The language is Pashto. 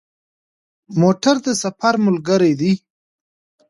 موټر د سفر ملګری دی.